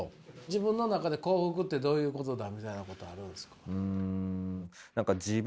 自分の中で幸福ってどういうことだみたいなことあるんですか？